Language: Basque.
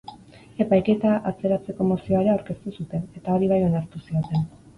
Epaiketa atzeratzeko mozioa ere aurkeztu zuten, eta hori bai onartu zioten.